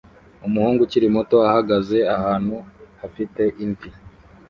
Umuhungu ukiri muto ahagaze ahantu hafite imvi